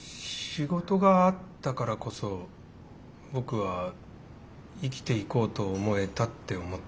仕事があったからこそ僕は生きていこうと思えたって思ってます。